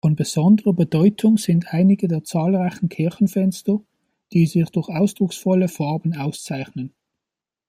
Von besonderer Bedeutung sind einige der zahlreichen Kirchenfenster, die sich durch ausdrucksvolle Farben auszeichnen.